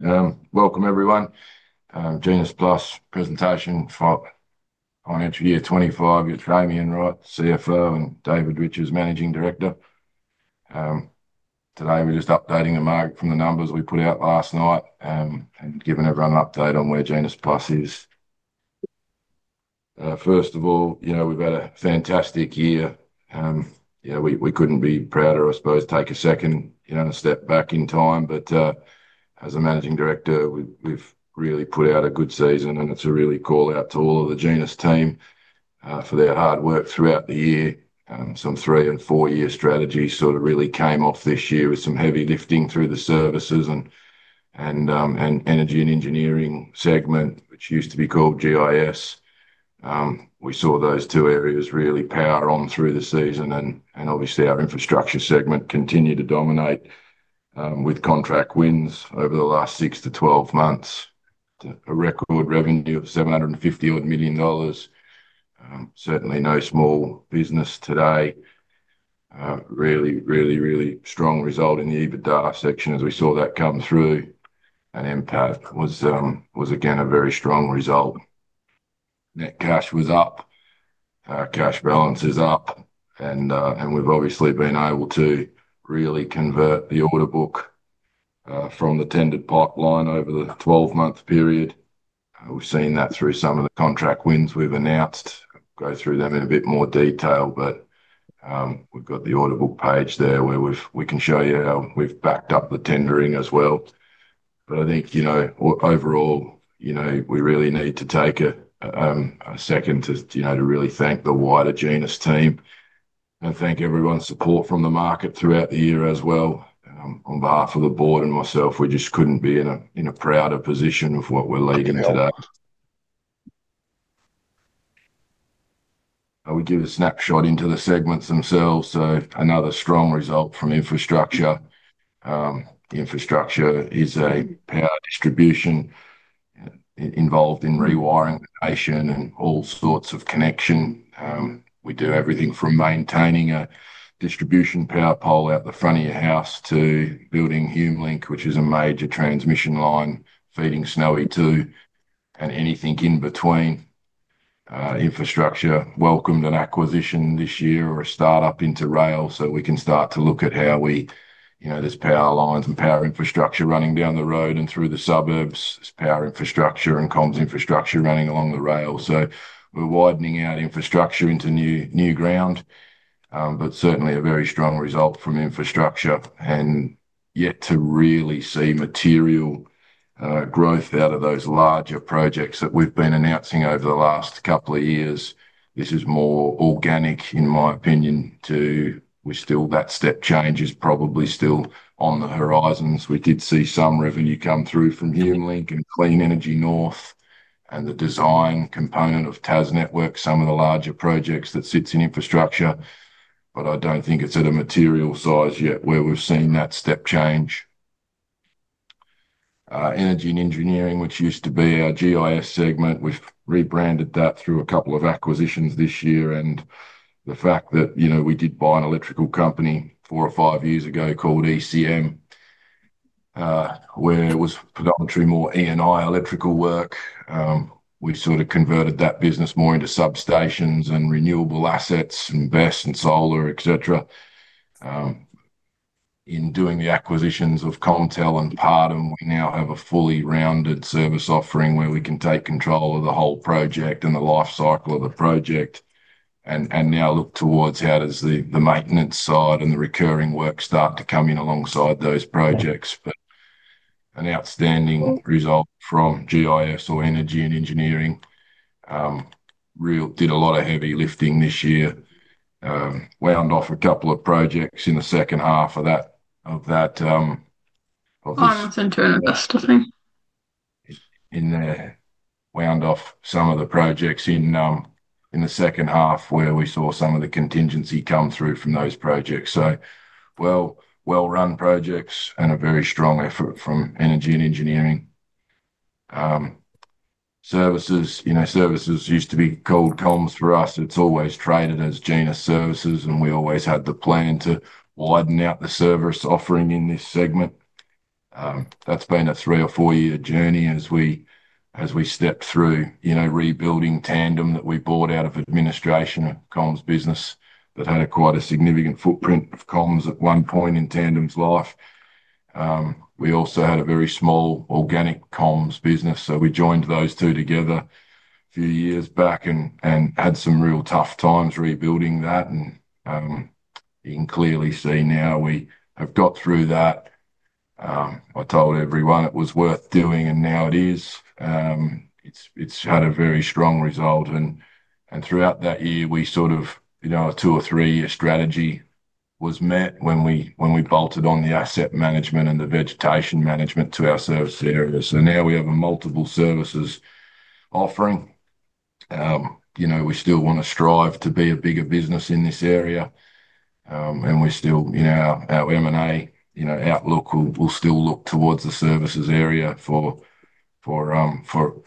Welcome, everyone. GenusPlus presentation for on entry year 2025, your Damian Wright, CFO, and David Riches, Managing Director. Today, we're just updating the market from the numbers we put out last night and giving everyone an update on where GenusPlus is. First of all, we've had a fantastic year. We couldn't be prouder, I suppose, take a second and a step back in time. As a Managing Director, we've really put out a good season, and it's a real call out to all of the Genus team for their hard work throughout the year. Some three and four-year strategies really came off this year with some heavy lifting through the Services and Energy & Engineering segment, which used to be called GIS. We saw those two areas really power on through the season, and obviously, our Infrastructure segment continued to dominate with contract wins over the last 6 to 12 months. A record revenue deal of $750 million, certainly no small business today. Really, really, really strong result in the EBITDA section as we saw that come through. And NPAT was, again, a very strong result. Net cash was up, cash balance is up, and we've obviously been able to really convert the order book from the tendered pipeline over the 12-month period. We've seen that through some of the contract wins we've announced. Go through them in a bit more detail, but we've got the order book page there where we can show you how we've backed up the tendering as well. I think, overall, we really need to take a second to really thank the wider Genus team and thank everyone's support from the market throughout the year as well. On behalf of the board and myself, we just couldn't be in a prouder position of what we're leading today. I would give a snapshot into the segments themselves. Another strong result from Infrastructure. The Infrastructure is a power distribution involved in rewiring station and all sorts of connection. We do everything from maintaining a distribution power pole out the front of your house to building HumeLink, which is a major transmission line feeding Snowy 2 and anything in between. Infrastructure welcomed an acquisition this year or a startup into rail, so we can start to look at how we, you know, there's power lines and power infrastructure running down the road and through the suburbs. There's power infrastructure and comms infrastructure running along the rail. We're widening out infrastructure into new ground, but certainly a very strong result from infrastructure and yet to really see material growth out of those larger projects that we've been announcing over the last couple of years. This is more organic, in my opinion, too. We're still, that step change is probably still on the horizons. We did see some revenue come through from HumeLink and Clean Energy North and the design component of TasNetworks, some of the larger projects that sit in infrastructure, but I don't think it's at a material size yet where we've seen that step change. Energy and engineering, which used to be our GIS segment, we've rebranded that through a couple of acquisitions this year. The fact that we did buy an electrical company four or five years ago called ECM, where it was predominantly more E&I electrical work. We've sort of converted that business more into substations and renewable assets and BESS and solar, etc. In doing the acquisitions of CommTel and Partum, we now have a fully rounded service offering where we can take control of the whole project and the lifecycle of the project and now look towards out as the maintenance side and the recurring work start to come in alongside those projects. An outstanding result from GIS or energy and engineering. Real did a lot of heavy lifting this year. We wound off a couple of projects in the second half of that. I want to turn to that staffing. In there, we wound off some of the projects in the second half where we saw some of the contingency come through from those projects. Well-run projects and a very strong effort from Energy & Engineering. Services, you know, services used to be called comms for us. It's always traded as Genus Services, and we always had the plan to widen out the service offering in this segment. That's been a three or four-year journey as we stepped through rebuilding Tandem that we bought out of administration and comms business that had quite a significant footprint of comms at one point in Tandem's life. We also had a very small organic comms business, so we joined those two together a few years back and had some real tough times rebuilding that. You can clearly see now we have got through that. I told everyone it was worth doing, and now it is. It's had a very strong result. Throughout that year, a two or three-year strategy was met when we bolted on the asset management and the vegetation management to our service area. Now we have a multiple services offering. We still want to strive to be a bigger business in this area. We're still, you know, our M&A outlook will still look towards the services area for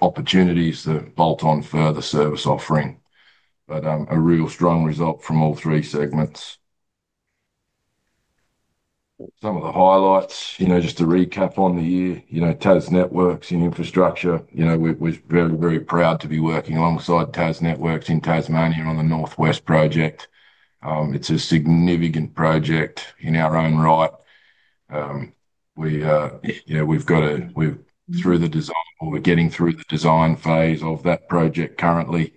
opportunities to bolt on further service offering. A real strong result from all three segments. Some of the highlights, just to recap on the year, TasNetworks in infrastructure, we're very, very proud to be working alongside TasNetworks in Tasmania on the Northwest Project. It's a significant project in our own right. We've got through the design, or we're getting through the design phase of that project currently.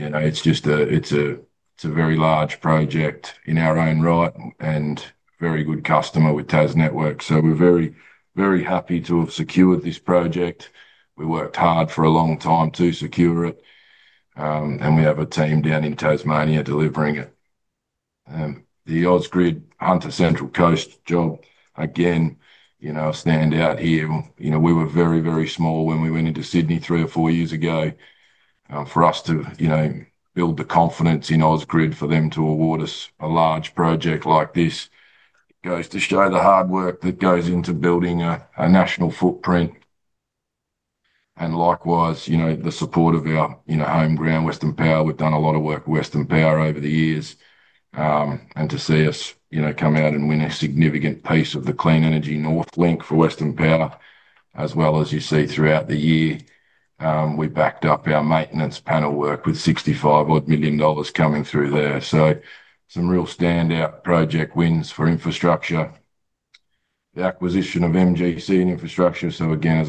It's a very large project in our own right and very good customer with TasNetworks. We're very, very happy to have secured this project. We worked hard for a long time to secure it. We have a team down in Tasmania delivering it. The Ausgrid Hunter-Central Coast job, again, a standout here. We were very, very small when we went into Sydney three or four years ago. For us to build the confidence in Ausgrid for them to award us a large project like this goes to show the hard work that goes into building a national footprint. Likewise, the support of our home ground, Western Power. We've done a lot of work with Western Power over the years. To see us come out and win a significant piece of the Clean Energy North contract for Western Power, as well as you see throughout the year, we backed up our maintenance panel work with $65 million coming through there. Some real standout project wins for infrastructure. The acquisition of MGC and infrastructure, as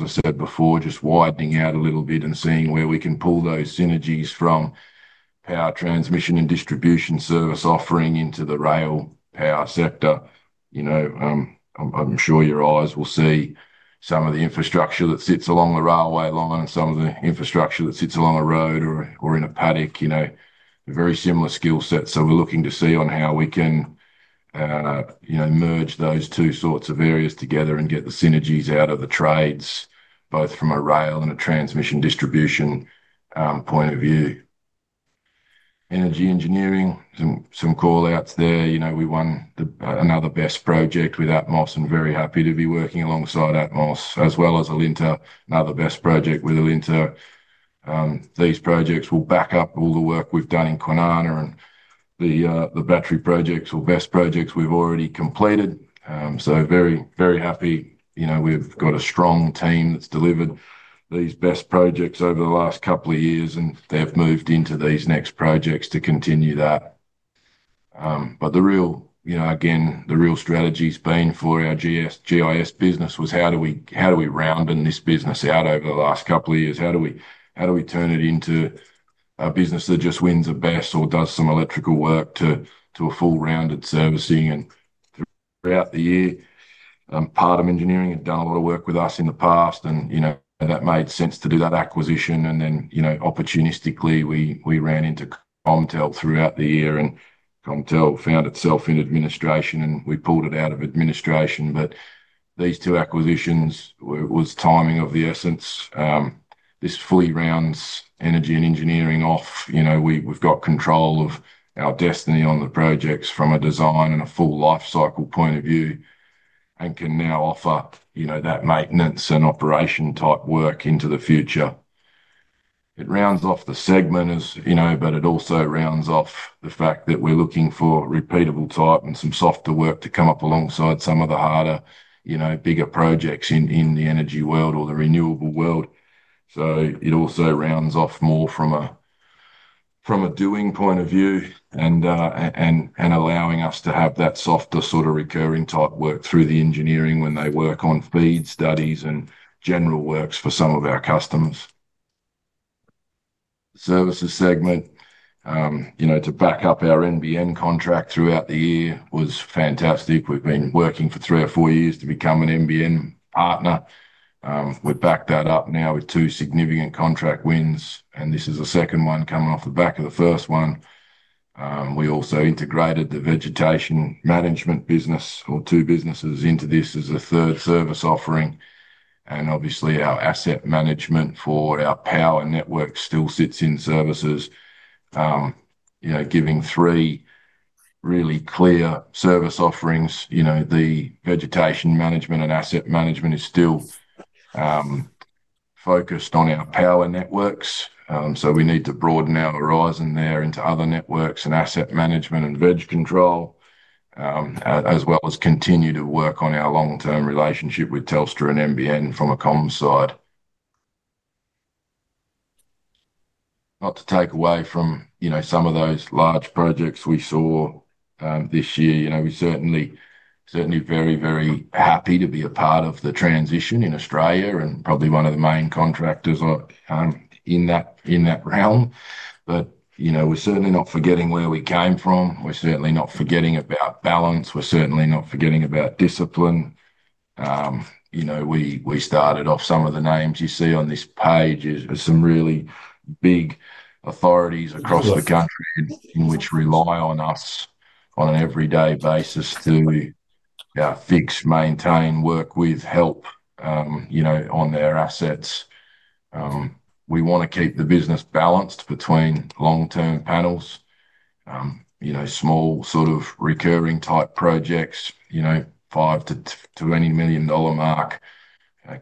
I said before, just widening out a little bit and seeing where we can pull those synergies from power transmission and distribution service offering into the rail power sector. I'm sure your eyes will see some of the infrastructure that sits along the railway line and some of the infrastructure that sits along a road or in a paddock, a very similar skill set. We're looking to see how we can merge those two sorts of areas together and get the synergies out of the trades, both from a rail and a transmission distribution point of view. Energy & Engineering, some call outs there. We won another BESS project with Atmos and are very happy to be working alongside Atmos as well as Alinta, another BESS project with Alinta. These projects will back up all the work we've done in Kwinana and the battery projects or BESS projects we've already completed. Very, very happy. We've got a strong team that's delivered these BESS projects over the last couple of years, and they've moved into these next projects to continue that. The real strategy playing for our GIS business was how do we round this business out over the last couple of years? How do we turn it into a business that just wins a BESS or does some electrical work to a full rounded servicing entity throughout the year? Partum Engineering had done a lot of work with us in the past, and that made sense to do that acquisition. Opportunistically, we ran into CommTel throughout the year, and CommTel found itself in administration, and we pulled it out of administration. These two acquisitions were timing of the essence. This fully rounds Energy & Engineering off. We've got control of our destiny on the projects from a design and a full project lifecycle point of view and can now offer that maintenance and operation type work into the future. It rounds off the segment, as you know, but it also rounds off the fact that we're looking for repeatable type and some softer work to come up alongside some of the harder, bigger projects in the energy world or the renewable world. It also rounds off more from a doing point of view and allowing us to have that softer sort of recurring type work through the engineering when they work on speed studies and general works for some of our customers. Services segment, to back up our NBN contract throughout the year was fantastic. We've been working for three or four years to become an NBN partner. We backed that up now with two significant contract wins, and this is a second one coming off the back of the first one. We also integrated the vegetation management business or two businesses into this as a third service offering. Obviously, our asset management for our power network still sits in services, giving three really clear service offerings. The vegetation management and asset management is still focused on our power networks. We need to broaden our horizon there into other networks and asset management and veg control, as well as continue to work on our long-term relationship with Telstra and NBN from a comms side. Not to take away from some of those large projects we saw this year. We are certainly very, very happy to be a part of the transition in Australia and probably one of the main contractors in that realm. We're certainly not forgetting where we came from. We're certainly not forgetting about balance. We're certainly not forgetting about discipline. We started off some of the names you see on this page as some really big authorities across the country which rely on us on an everyday basis to fix, maintain, work with, help on their assets. We want to keep the business balanced between long-term panels, small sort of recurring type projects, $5 million-$20 million mark,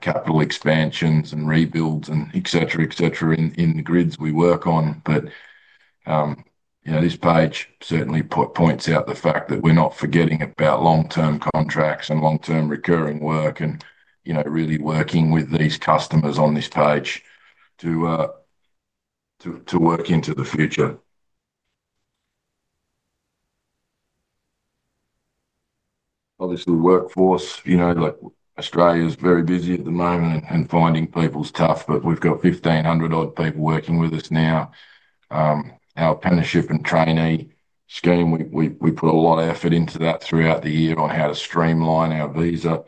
capital expansions and rebuilds, etc., etc. in the grids we work on. This page certainly points out the fact that we're not forgetting about long-term contracts and long-term recurring work and really working with these customers on this page to work into the future. Obviously, workforce, you know, like Australia is very busy at the moment and finding people is tough, but we've got 1,500 odd people working with us now. Our apprenticeship and trainee scheme, we put a lot of effort into that throughout the year on how to streamline our visa,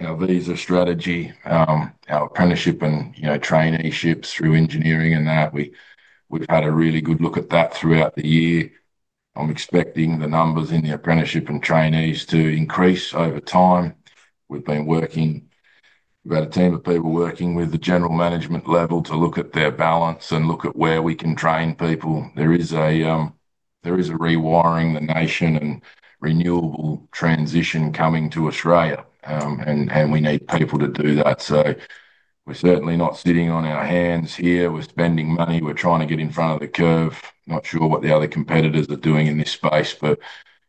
our visa strategy, our apprenticeship and, you know, traineeships through engineering and that. We've had a really good look at that throughout the year. I'm expecting the numbers in the apprenticeship and trainees to increase over time. We've been working, we've had a team of people working with the general management level to look at their balance and look at where we can train people. There is a Rewiring the Nation and renewable transition coming to Australia, and we need people to do that. We are certainly not sitting on our hands here. We're spending money. We're trying to get in front of the curve. Not sure what the other competitors are doing in this space, but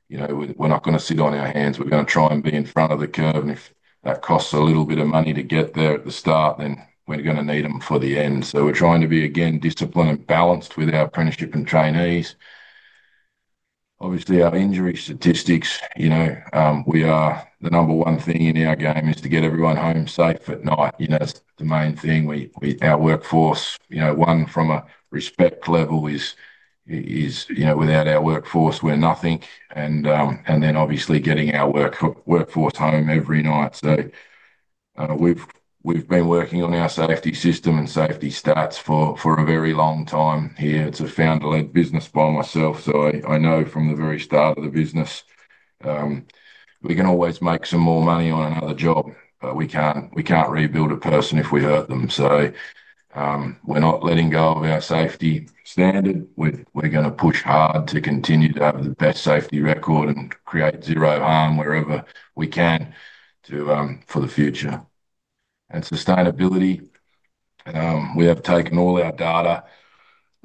you know, we're not going to sit on our hands. We're going to try and be in front of the curve. If that costs a little bit of money to get there at the start, then we're going to need them for the end. We're trying to be, again, disciplined and balanced with our apprenticeship and trainees. Obviously, our injury statistics, you know, we are the number one thing in our game is to get everyone home safe at night. That's the main thing. Our workforce, you know, one from a respect level is, you know, without our workforce, we're nothing. Obviously, getting our workforce home every night. We've been working on our safety system and safety stats for a very long time here. It's a founder-led business by myself. I know from the very start of the business, we can always make some more money on another job, but we can't rebuild a person if we hurt them. We're not letting go of our safety standard. We're going to push hard to continue to have the best safety record and create zero harm wherever we can for the future. Sustainability, we have taken all our data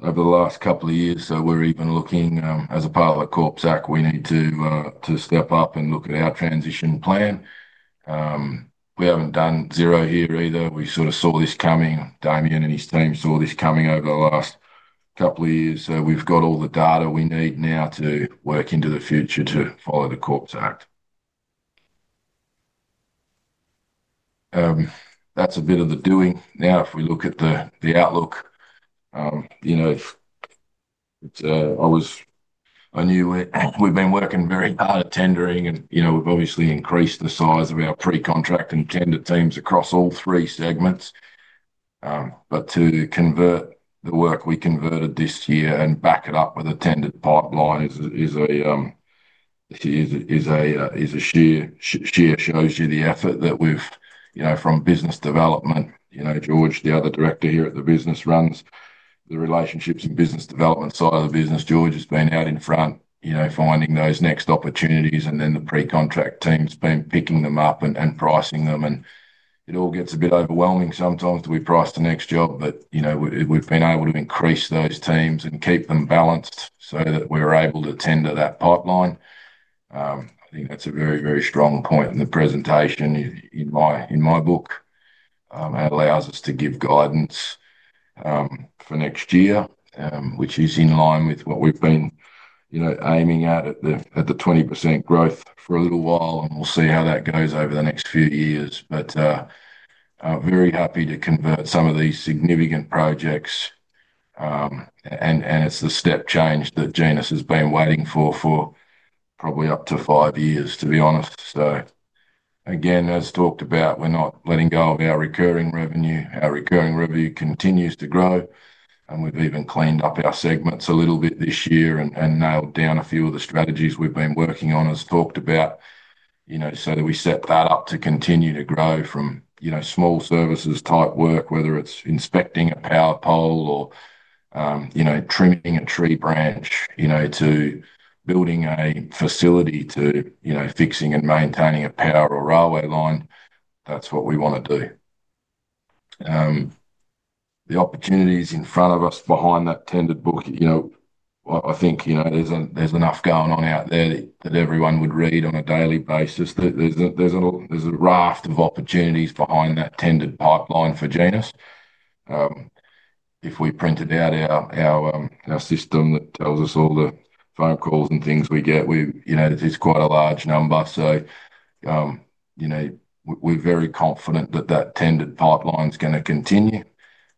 over the last couple of years. We're even looking as a part of the Corps Act, we need to step up and look at our transition plan. We haven't done zero here either. We sort of saw this coming. Damian and his team saw this coming over the last couple of years. We've got all the data we need now to work into the future to follow the Corps Act. That's a bit of the doing. Now, if we look at the outlook, I knew we've been working very hard at tendering, and we've obviously increased the size of our pre-contract and tender teams across all three segments. To convert the work we converted this year and back it up with a tendered pipeline shows you the effort that we've, from business development, you know, George, the other director here at the business, runs the relationships and business development side of the business. George has been out in front, finding those next opportunities, and then the pre-contract team's been picking them up and pricing them. It all gets a bit overwhelming sometimes to be priced the next job, but we've been able to increase those teams and keep them balanced so that we're able to tender that pipeline. It's a very, very strong point in the presentation in my book. It allows us to give guidance for next year, which is in line with what we've been aiming at at the 20% growth for a little while. We'll see how that goes over the next few years. Very happy to convert some of these significant projects. It's the step change that Genus has been waiting for for probably up to five years, to be honest. Again, as talked about, we're not letting go of our recurring revenue. Our recurring revenue continues to grow. We've even cleaned up our segments a little bit this year and nailed down a few of the strategies we've been working on, as talked about, so that we set that up to continue to grow from small services type work, whether it's inspecting a power pole or trimming a tree branch, to building a facility, to fixing and maintaining a power or a railway line. That's what we want to do. The opportunities in front of us behind that tendered book, I think there's enough going on out there that everyone would read it on a daily basis. There's a raft of opportunities behind that tendered pipeline for Genus. If we printed out our system that tells us all the phone calls and things we get, it's quite a large number. We're very confident that that tendered pipeline is going to continue.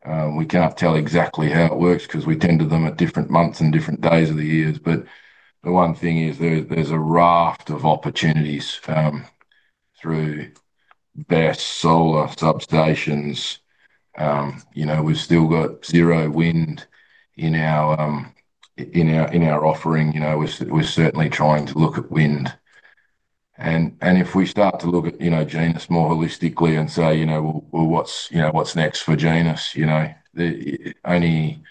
We can't tell exactly how it works because we tender them at different months and different days of the year. The one thing is there's a raft of opportunities through BESS solar substations. We've still got zero wind in our offering. We're certainly trying to look at wind. If we start to look at Genus more holistically and say, what's next for Genus? Only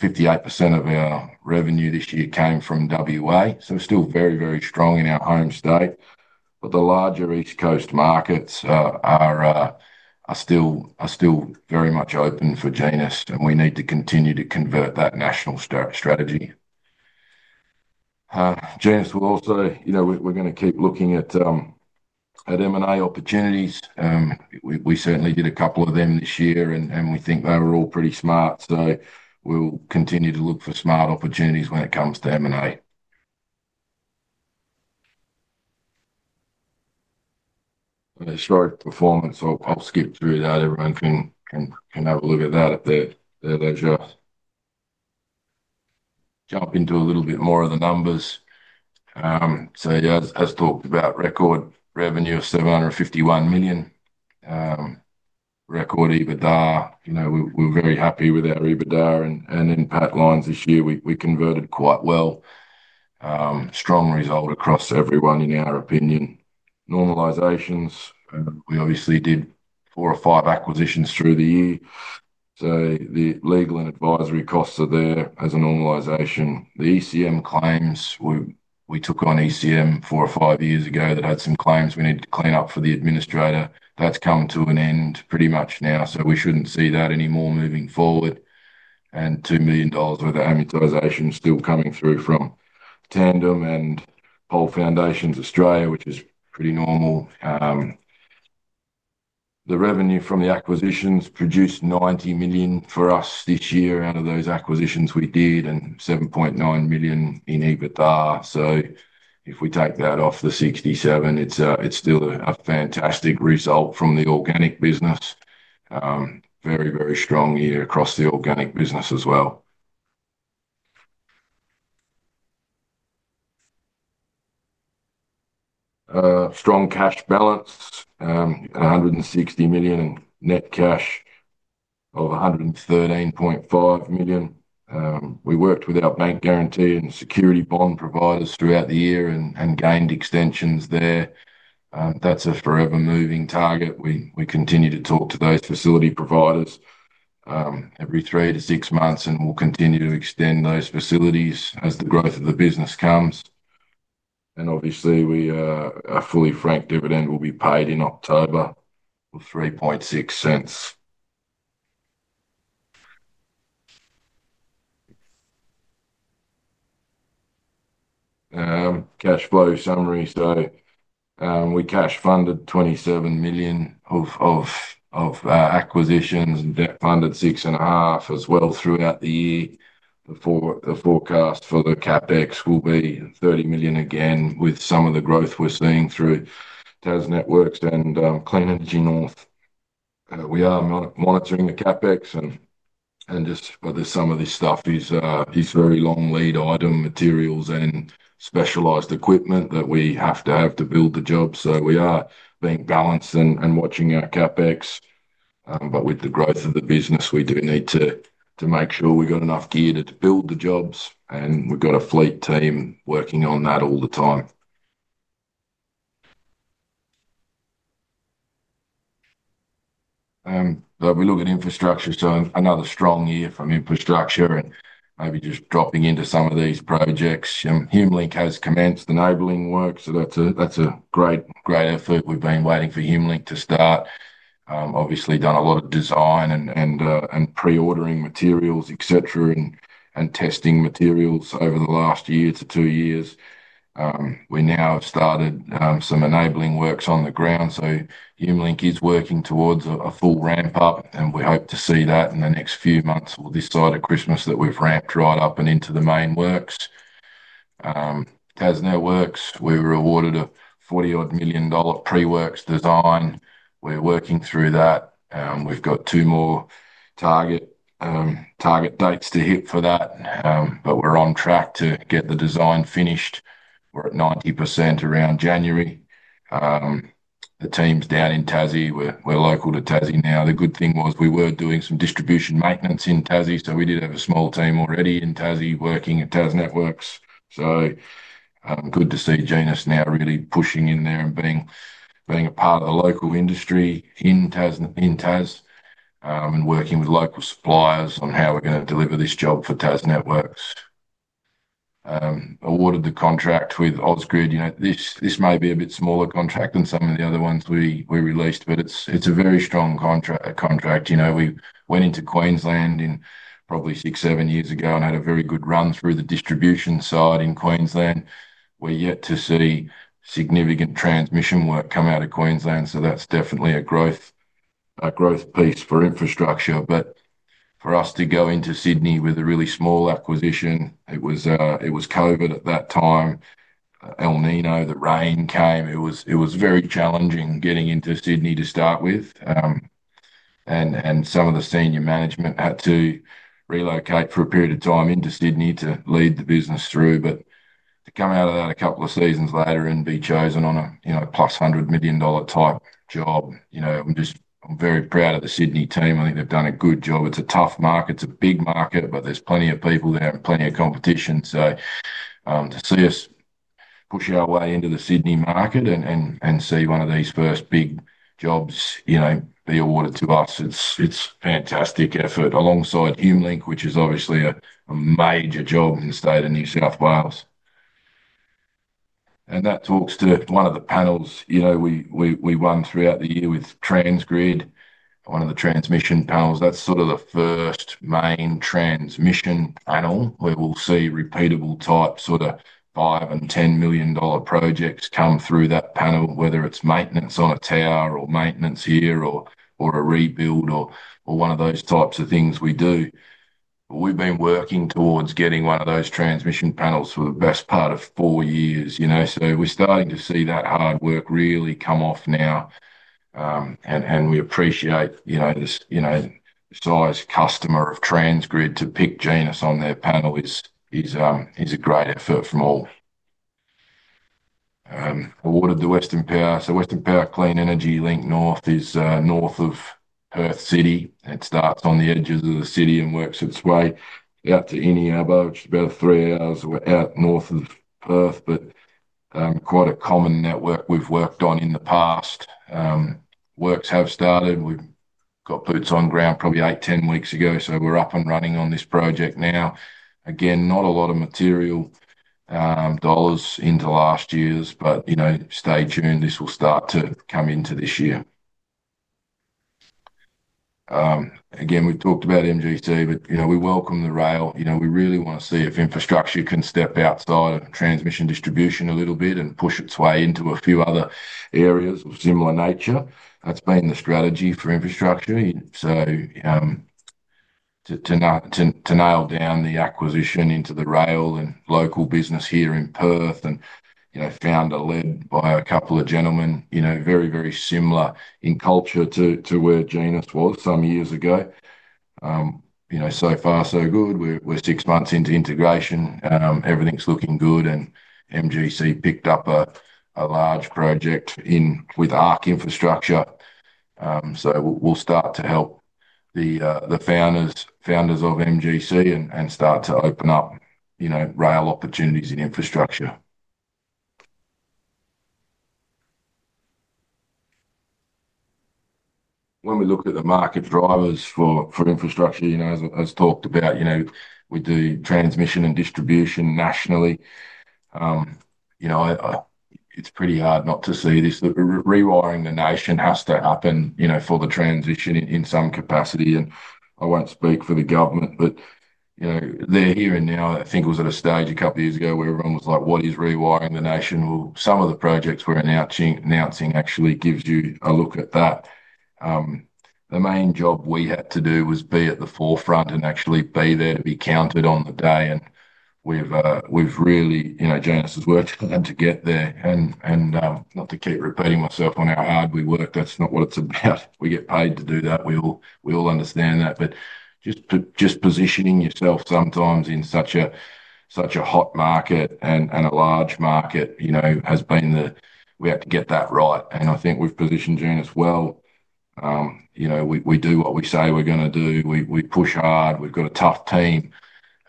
58% of our revenue this year came from WA. We're still very, very strong in our home state. The larger East Coast markets are still very much open for Genus, and we need to continue to convert that national strategy. We're also going to keep looking at M&A opportunities. We certainly did a couple of them this year, and we think they were all pretty smart. We'll continue to look for smart opportunities when it comes to M&A. When it's road performance, I'll skip through that. Everyone can have a look at that if it's their job. Jump into a little bit more of the numbers. As talked about, record revenue of $751 million. Record EBITDA. We're very happy with our EBITDA and impact lines this year. We converted quite well. Strong result across everyone in our opinion. Normalizations. We obviously did four or five acquisitions through the year, so the legal and advisory costs are there as a normalization. The ECM claims, we took on ECM four or five years ago that had some claims we needed to clean up for the administrator. That's come to an end pretty much now. We shouldn't see that anymore moving forward. $2 million worth of amortization is still coming through from Tandem and Whole Foundations Australia, which is pretty normal. The revenue from the acquisitions produced $90 million for us this year out of those acquisitions we did and $7.9 million in EBITDA. If we take that off the $67 million, it's still a fantastic result from the organic business. Very, very strong year across the organic business as well. Strong cash balance. $160 million in net cash of $113.5 million. We worked with our bank guarantee and security bond providers throughout the year and gained extensions there. That's a forever moving target. We continue to talk to those facility providers every three to six months, and we'll continue to extend those facilities as the growth of the business comes. Our fully franked dividend will be paid in October for $0.036. Cash flow summary started. We cash funded $27 million of acquisitions and debt funded $6.5 million as well throughout the year. The forecast for the CapEx will be $30 million again with some of the growth we're seeing through TasNetworks and Clean Energy North. We are monitoring the CapEx, and just for this, some of this stuff is a piece of very long lead item materials and specialized equipment that we have to have to build the jobs. We are being balanced and watching our CapEx. With the growth of the business, we do need to make sure we've got enough gear to build the jobs, and we've got a fleet team working on that all the time. If we look at infrastructure, another strong year from infrastructure and maybe just dropping into some of these projects. HumeLink has commenced the enabling work, so that's a great, great effort. We've been waiting for HumeLink to start. Obviously, done a lot of design and pre-ordering materials, etc., and testing materials over the last year to two years. We now have started some enabling works on the ground. HumeLink is working towards a full ramp up, and we hope to see that in the next few months or this side of Christmas that we've ramped right up and into the main works. TasNetworks, we were awarded a $40 million pre-works design. We're working through that. We've got two more target dates to hit for that, but we're on track to get the design finished. We're at 90% around January. The team's down in Tassie. We're local to Tassie now. The good thing was we were doing some distribution maintenance in Tassie, so we did have a small team already in Tassie working at Taz Networks Northwest Project. Good to see Genus now really pushing in there and being a part of the local industry in Tassie and working with local suppliers on how we're going to deliver this job for TasNetworks. Awarded the contract with Ausgrid. This may be a bit smaller contract than some of the other ones we released, but it's a very strong contract. We went into Queensland probably six, seven years ago and had a very good run through the distribution side in Queensland. We're yet to see significant transmission work come out of Queensland, so that's definitely a growth piece for infrastructure. For us to go into Sydney with a really small acquisition, it was COVID at that time. El Niño, the rain came. It was very challenging getting into Sydney to start with. Some of the Senior Management had to relocate for a period of time into Sydney to lead the business through. To come out of that a couple of seasons later and be chosen on a, you know, +$100 million type job, I'm just, I'm very proud of the Sydney team. I think they've done a good job. It's a tough market. It's a big market, but there's plenty of people there and plenty of competition. To see us push our way into the Sydney market and see one of these first big jobs be awarded to us, it's a fantastic effort alongside HumeLink, which is obviously a major job in the state of New South Wales. That talks to one of the panels we run throughout the year with Transgrid, one of the transmission panels. That's sort of the first main transmission panel. We will see repeatable types, sort of $5 million and $10 million projects come through that panel, whether it's maintenance on a tower or maintenance here or a rebuild or one of those types of things we do. We've been working towards getting one of those transmission panels for the best part of four years, so we're starting to see that hard work really come off now. We appreciate the size customer of Transgrid to pick Genus on their panel is a great effort from all. Awarded the Western Power. Western Power Clean Energy Link North is north of Perth City. It starts on the edge of the city and works its way out to Eneabba, which is about three hours out north of Perth, but quite a common network we've worked on in the past. Works have started. We've got boots on ground probably eight, ten weeks ago, so we're up and running on this project now. Again, not a lot of material dollars into last year's, but stay tuned. This will start to come into this year. We've talked about MGC, but we welcome the rail. We really want to see if infrastructure can step outside of transmission distribution a little bit and push its way into a few other areas of similar nature. That's been the strategy for infrastructure. To nail down the acquisition into the rail and local business here in Perth and founder led by a couple of gentlemen, very, very similar in culture to where Genus was some years ago. So far, so good. We're six months into integration. Everything's looking good and MGC picked up a large project with Arc Infrastructure. We'll start to help the founders of MGC and start to open up rail opportunities in infrastructure. When we look at the market drivers for infrastructure, as talked about, we do transmission and distribution nationally. It's pretty hard not to see this. The Rewiring the Nation has to happen for the transition in some capacity. I won't speak for the government, but they're here and now. I think it was at a stage a couple of years ago where everyone was like, what is Rewiring the Nation? Some of the projects we're announcing actually give you a look at that. The main job we had to do was be at the forefront and actually be there to be counted on the day. We've really, Genus has worked to get there. Not to keep repeating myself on how hard we work, that's not what it's about. We get paid to do that. We all understand that. Just positioning yourself sometimes in such a hot market and a large market has been that we have to get that right. I think we've positioned Genus well. We do what we say we're going to do. We push hard. We've got a tough team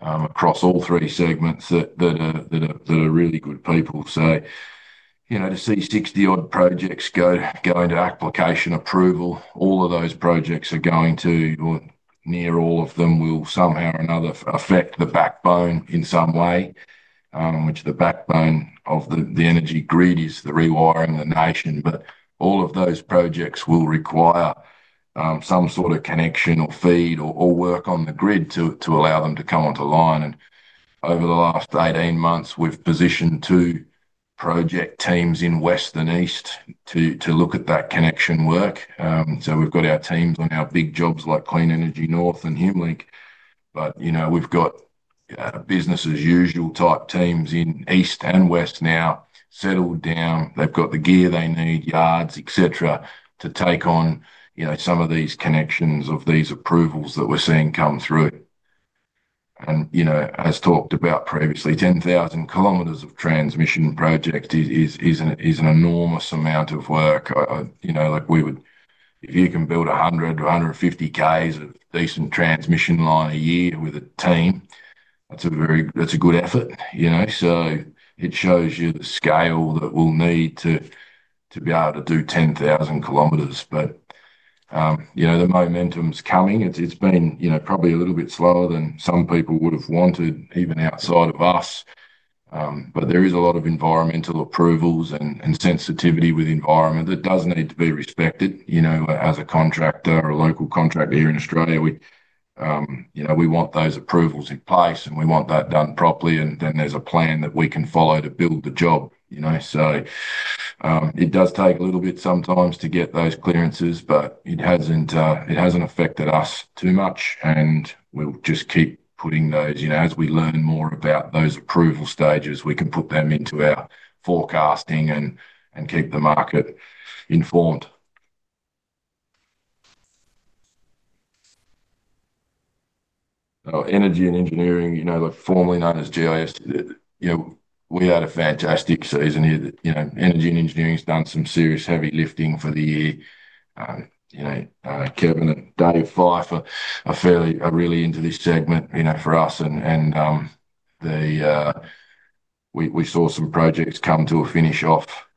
across all three segments that are really good people. To see 60 odd projects going to application approval, all of those projects are going to, or near all of them will somehow or another affect the backbone in some way, which the backbone of the energy grid is the Rewiring the Nation. All of those projects will require some sort of connection or feed or work on the grid to allow them to come onto line. Over the last 18 months, we've positioned two project teams in West and East to look at that connection work. We've got our teams on our big jobs like Clean Energy North and HumeLink. We've got business as usual type teams in East and West now settled down. They've got the gear they need, yards, etc. to take on some of these connections of these approvals that we're seeing come through. As talked about previously, 10,000 km of transmission project is an enormous amount of work. If you can build 100 km or 150 km of decent transmission line a year with a team, that's a good effort. It shows you the scale that we'll need to be able to do 10,000 km. The momentum's coming. It's been probably a little bit slower than some people would have wanted, even outside of us. There is a lot of environmental approvals and sensitivity with the environment that does need to be respected as a contractor or a local contractor here in Australia. We want those approvals in place and we want that done properly. Then there's a plan that we can follow to build the job. It does take a little bit sometimes to get those clearances, but it hasn't affected us too much. We'll just keep putting those, as we learn more about those approval stages, we can put them into our forecasting and keep the market informed. Energy and Engineering, formerly known as GIS, had a fantastic season here. Energy and Engineering has done some serious heavy lifting for the year. Kevin and David Fyfe are really into this segment for us. We saw some projects come to a finish off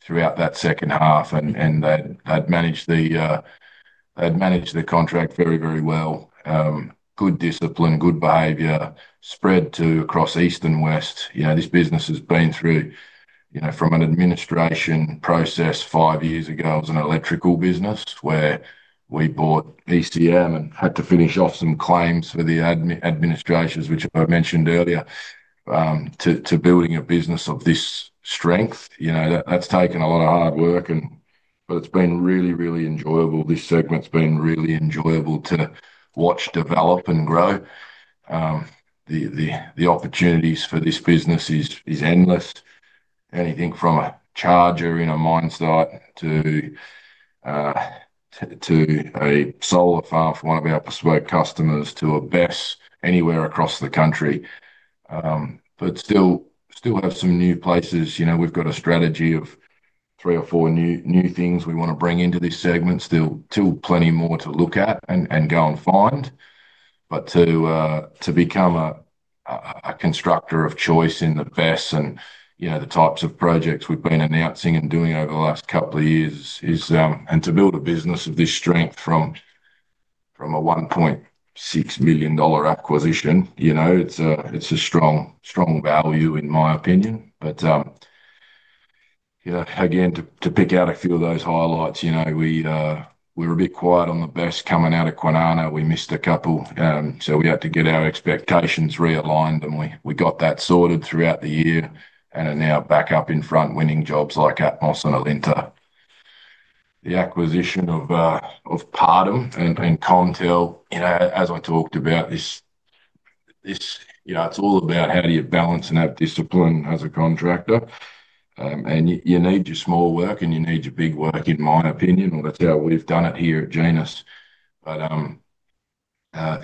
throughout that second half, and they'd managed the contract very, very well. Good discipline, good behavior spread across East and West. This business has been through, from an administration process five years ago. It was an electrical business where we bought ECM and had to finish off some claims for the administrations, which I mentioned earlier, to building a business of this strength. That's taken a lot of hard work, but it's been really, really enjoyable. This segment's been really enjoyable to watch develop and grow. The opportunities for this business are endless. Anything from a charger in a mine site to a solar farm for one of our persuade customers to a BESS anywhere across the country. Still have some new places. We've got a strategy of three or four new things we want to bring into this segment. Still plenty more to look at and go and find. To become a constructor of choice in the BESS and the types of projects we've been announcing and doing over the last couple of years, and to build a business of this strength from a $1.6 million acquisition, it's a strong, strong value in my opinion. Again, to pick out a few of those highlights, we were a bit quiet on the BESS coming out of Kwinana. We missed a couple. We had to get our expectations realigned, and we got that sorted throughout the year and are now back up in front winning jobs like Atmos and Alinta. The acquisition of Partum and CommTel, as I talked about, it's all about how do you balance and have discipline as a contractor. You need your small work and you need your big work, in my opinion. That's how we've done it here at Genus.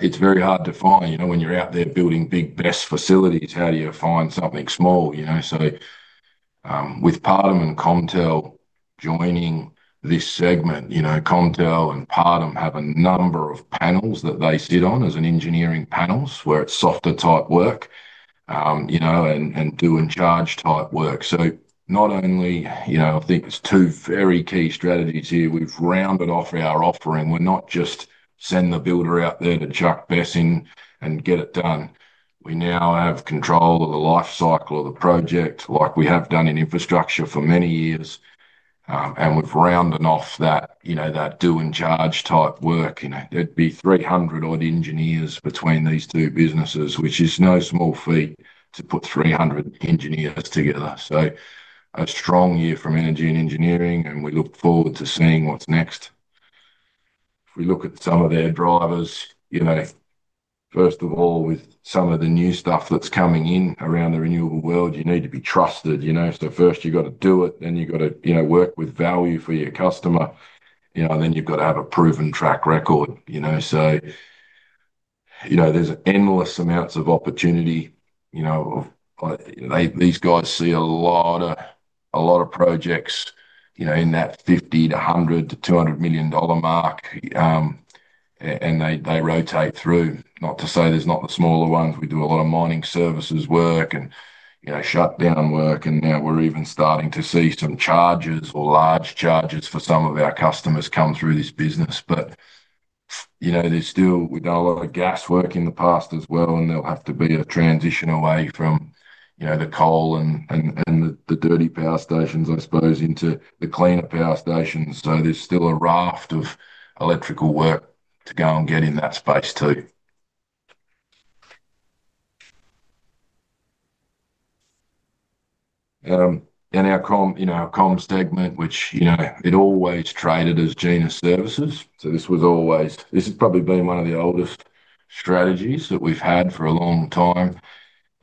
It's very hard to find, when you're out there building big BESS facilities, how do you find something small? With Partum and CommTel joining this segment, CommTel and Partum have a number of panels that they sit on as an engineering panel where it's softer type work and doing charge type work. Not only, I think it's two very key strategies here. We've rounded off our offering. We're not just sending the builder out there to chuck BESS in and get it done. We now have control of the lifecycle of the project like we have done in infrastructure for many years. We've rounded off that doing charge type work. There'd be 300 odd engineers between these two businesses, which is no small feat to put 300 engineers together. A strong year from Energy and Engineering, and we look forward to seeing what's next. If we look at some of their drivers, first of all, with some of the new stuff that's coming in around the renewable world, you need to be trusted. First you've got to do it, then you've got to work with value for your customer. Then you've got to have a proven track record. There's endless amounts of opportunity. These guys see a lot of projects in that $50 million to $100 million to $200 million mark, and they rotate through. Not to say there's not the smaller ones. We do a lot of mining services work and shutdown work. Now we're even starting to see some charges or large charges for some of our customers come through this business. There's still, we've done a lot of gas work in the past as well, and there'll have to be a transition away from the coal and the dirty power stations, I suppose, into the cleaner power stations. There's still a raft of electrical work to go and get in that space too. Our comms segment, which always traded as Genus Services, this has probably been one of the oldest strategies that we've had for a long time.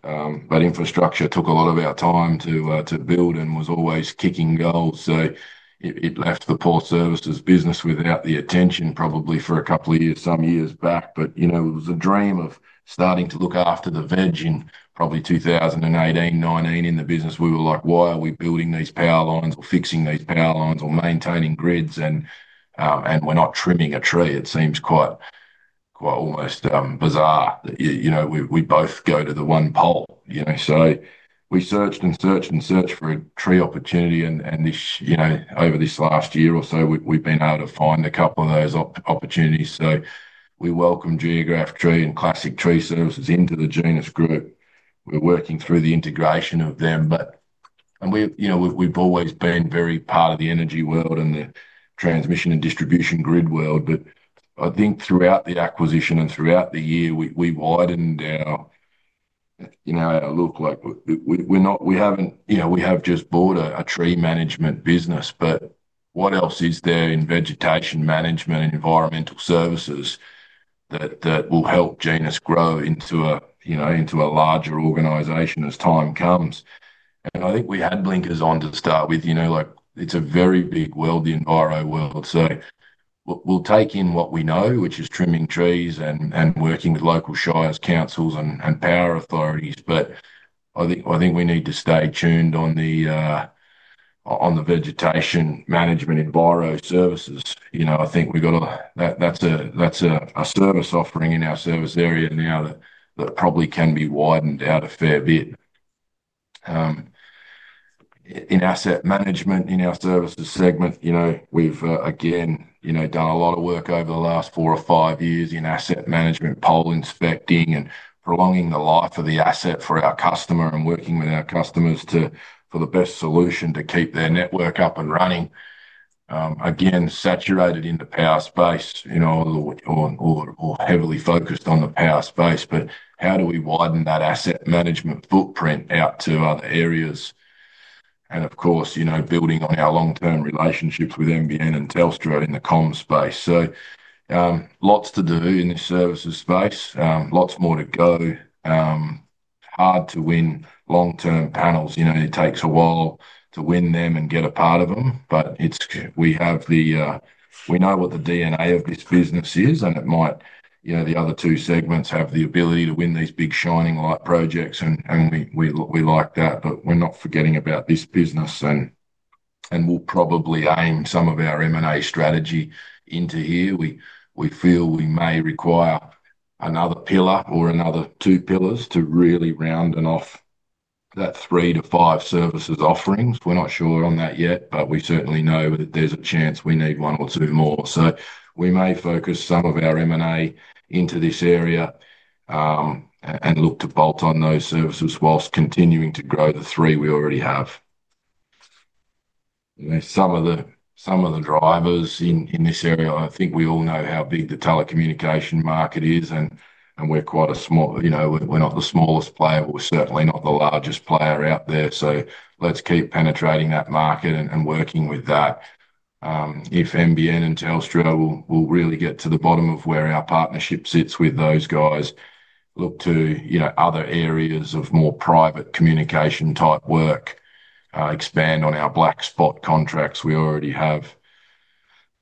Infrastructure took a lot of our time to build and was always kicking goals. It left the poor services business without the attention probably for a couple of years, some years back. It was a dream of starting to look after the veg in probably 2018, 2019 in the business. We were like, why are we building these power lines, fixing these power lines, or maintaining grids, and we're not trimming a tree? It seems quite almost bizarre. We both go to the one pole, you know. We searched and searched and searched for a tree opportunity. Over this last year or so, we've been able to find a couple of those opportunities. We welcome Geographe Tree and Classic Tree Services into the Genus Group. We're working through the integration of them. We've always been very part of the energy world and the transmission and distribution grid world. Throughout the acquisition and throughout the year, we widened our look. We haven't, you know, we have just bought a tree management business. What else is there in vegetation management and environmental services that will help Genus grow into a larger organization as time comes? I think we had linkers on to start with. It's a very big world, the enviro world. We'll take in what we know, which is trimming trees and working with local shire, councils, and power authorities. I think we need to stay tuned on the vegetation management enviro services. That's a service offering in our service area now that probably can be widened out a fair bit. In asset management, in our services segment, we've again done a lot of work over the last four or five years in asset management, pole inspecting, and prolonging the life of the asset for our customer and working with our customers for the best solution to keep their network up and running. Again, saturated in the power space, or heavily focused on the power space. How do we widen that asset management footprint out to other areas? Of course, building on our long-term relationships with NBN and Telstra in the comms space. Lots to do in the services space, lots more to go. Hard to win long-term panels. It takes a while to win them and get a part of them. We know what the DNA of this business is. The other two segments have the ability to win these big shining light projects and we like that. We're not forgetting about this business and we'll probably aim some of our M&A strategy into here. We feel we may require another pillar or another two pillars to really round off that three to five services offerings. We're not sure on that yet, but we certainly know that there's a chance we need one or two more. We may focus some of our M&A into this area and look to bolt on those services whilst continuing to grow the three we already have. Some of the drivers in this area, I think we all know how big the telecommunication market is and we're quite a small, you know, we're not the smallest player, but we're certainly not the largest player out there. Let's keep penetrating that market and working with that. If NBN and Telstra will really get to the bottom of where our partnership sits with those guys, look to other areas of more private communication type work, expand on our black spot contracts we already have,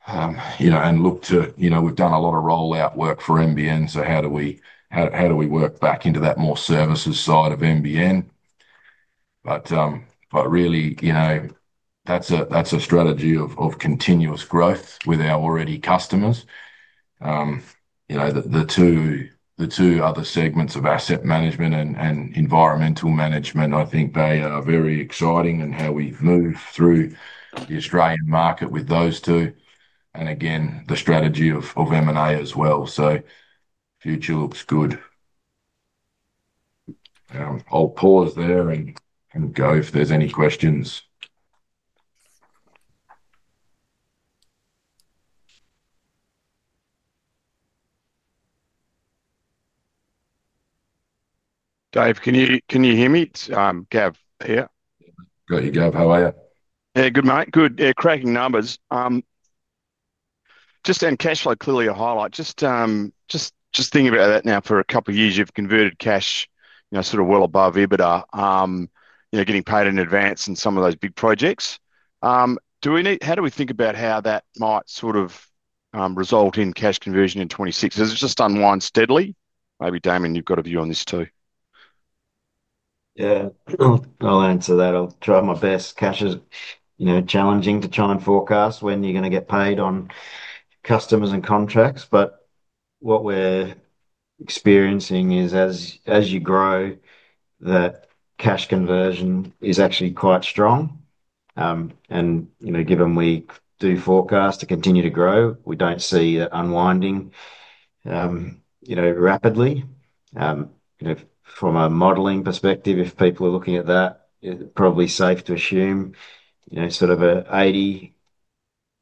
and look to, we've done a lot of rollout work for NBN. How do we work back into that more services side of NBN? That's a strategy of continuous growth with our already customers. The two other segments of asset management and environmental management, I think they are very exciting and how we've moved through the Australian market with those two. Again, the strategy of M&A as well. The future looks good. I'll pause there and go if there's any questions. Dave, can you hear me? Gav, are you here? Got you, Gav. How are you? Yeah, good mate. Good. Cracking numbers. Just on cash flow, clearly a highlight. Just thinking about that now for a couple of years, you've converted cash, you know, sort of well above EBITDA, you know, getting paid in advance and some of those big projects. Do we need, how do we think about how that might sort of result in cash conversion in 2026? Has it just unwind steadily? Maybe Damian, you've got a view on this too. Yeah, I'll answer that. I'll try my best. Cash is, you know, challenging to try and forecast when you're going to get paid on customers and contracts. What we're experiencing is as you grow, the cash conversion is actually quite strong. You know, given we do forecast to continue to grow, we don't see it unwinding rapidly. From a modeling perspective, if people are looking at that, it's probably safe to assume sort of an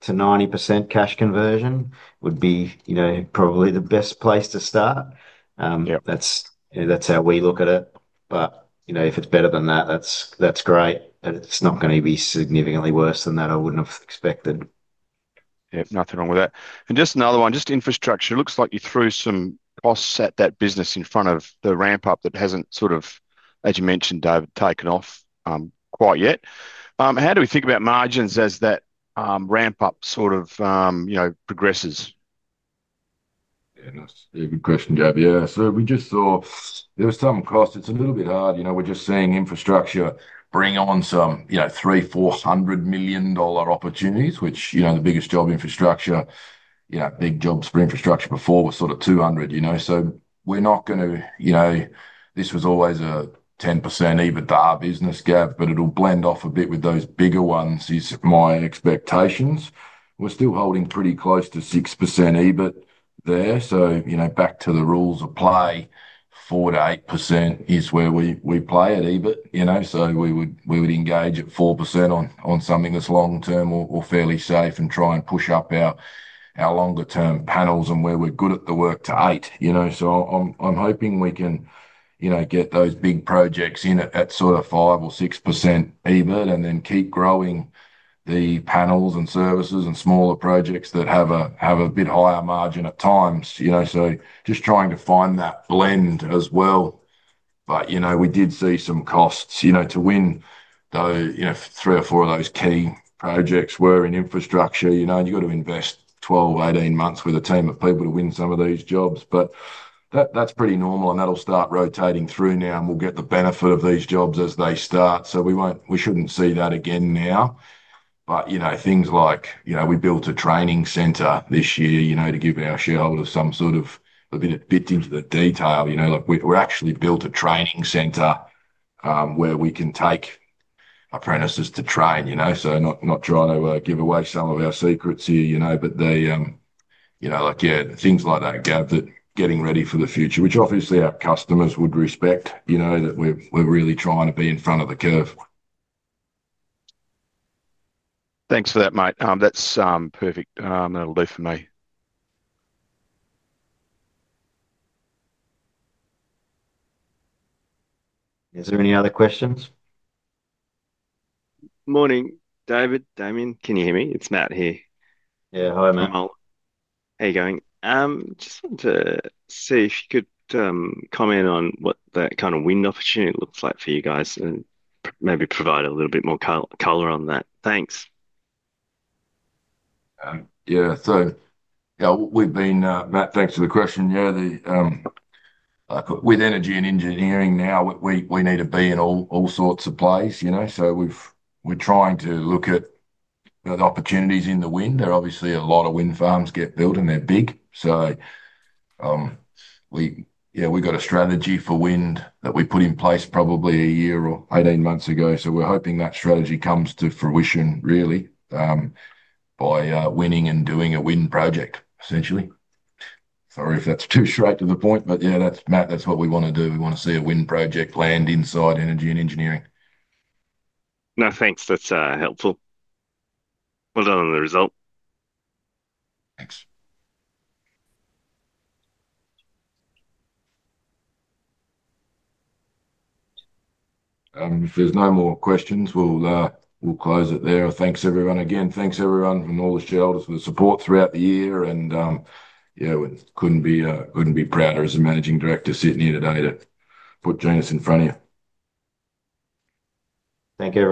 80%-90% cash conversion would be probably the best place to start. That's how we look at it. If it's better than that, that's great. It's not going to be significantly worse than that. I wouldn't have expected. Yeah, nothing wrong with that. Just another one, just infrastructure. It looks like you threw some costs at that business in front of the ramp up that hasn't, as you mentioned, David, taken off quite yet. How do we think about margins as that ramp up progresses? Yeah, that's a good question, Gab. We just saw there was some cost. It's a little bit odd. We're just seeing infrastructure bring on some $300 million, $400 million opportunities, which, you know, the biggest job infrastructure, big jobs for infrastructure before was sort of $200 million, you know. We're not going to, you know, this was always a 10% EBITDA business, Gab, but it'll blend off a bit with those bigger ones is my expectations. We're still holding pretty close to 6% EBIT there. Back to the rules of play, 4%-8% is where we play at EBIT, you know. We would engage at 4% on something that's long-term or fairly safe and try and push up our longer-term panels and where we're good at the work to 8%, you know. I'm hoping we can get those big projects in at sort of 5% or 6% EBIT and then keep growing the panels and services and smaller projects that have a bit higher margin at times, you know. Just trying to find that blend as well. We did see some costs to win though, three or four of those key projects were in infrastructure, you know. You've got to invest 12, 18 months with a team of people to win some of these jobs. That's pretty normal and that'll start rotating through now and we'll get the benefit of these jobs as they start. We shouldn't see that again now. Things like, you know, we built a training center this year, to give our shareholders some sort of a bit into the detail, like we've actually built a training center where we can take apprentices to train, you know. Not trying to give away some of our secrets here, but they, like things like that, Gab, getting ready for the future, which obviously our customers would respect, you know, that we're really trying to be in front of the curve. Thanks for that, mate. That's perfect. That'll do for me. Are there any other questions? Morning, David. Damian, can you hear me? It's Matt here. Yeah, hi, Matt. How are you going? Just wanted to see if you could comment on what that kind of wind opportunity looks like for you guys, and maybe provide a little bit more color on that. Thanks. Yeah, we've been, Matt, back to the question. With energy and engineering now, we need to be in all sorts of plays, you know. We're trying to look at the opportunities in the wind. There are obviously a lot of wind farms that get built and they're big. We've got a strategy for wind that we put in place probably a year or 18 months ago. We're hoping that strategy comes to fruition really by winning and doing a wind project, essentially. Sorry if that's too straight to the point, but that's Matt, that's what we want to do. We want to see a wind project land inside energy and engineering. No, thanks. That's helpful. Well done on the result. Thanks. If there's no more questions, we'll close it there. Thanks everyone again. Thanks everyone from all the shareholders for the support throughout the year. We couldn't be prouder as a Managing Director sitting here today to put Genus in front of you. Thank you.